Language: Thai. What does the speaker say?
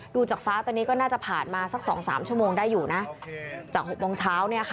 ดูจากฟ้าตอนนี้ก็น่าจะผ่านมาสัก๒๓ชั่วโมงได้อยู่นะจาก๖โมงเช้าเนี่ยค่ะ